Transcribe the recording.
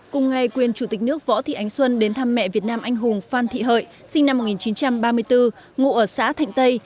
cùng ngày quyền chủ tịch nước võ thị ánh xuân đến thăm mẹ việt nam anh hùng phan thị hợi sinh năm một nghìn chín trăm ba mươi bốn ngụ ở xã thạnh tây